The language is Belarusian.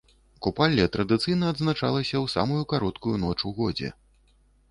Купалле традыцыйна адзначалася ў самую кароткую ноч у годзе.